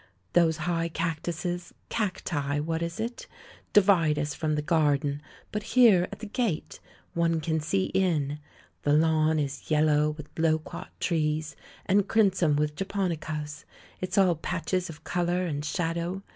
Those high cactuses — cacti, what is it? — divide us from the garden, but here, at the gate, one can see in. The lawn is yellow with loquat trees, and crim son with japonicas. It's all patches of colour, and shadow.